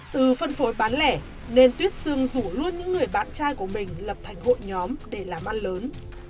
từ phân phối bán lẻ nên tuyết sương rủ luôn những người bạn trai của mình lập thành hội nhóm để làm ăn lớn